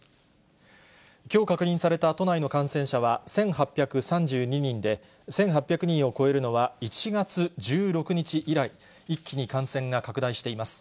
きょう確認された都内の感染者は１８３２人で、１８００人を超えるのは１月１６日以来、一気に感染が拡大しています。